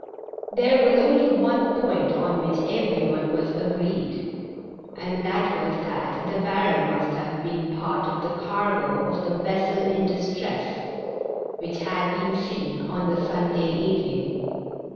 There Avas only one point on which every one was agreed, and that was that the barrel must have been part of the cargo of the vessel in distress which had been seen on the Sunday evening.